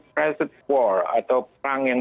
private war atau perang yang